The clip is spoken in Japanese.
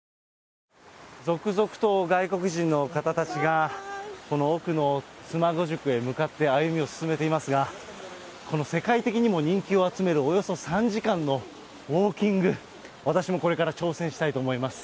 続々と外国人の方たちがこの奥の妻籠宿へ向かって歩みを進めていますが、この世界的にも人気を集める、およそ３時間のウォーキング、私もこれから挑戦したいと思います。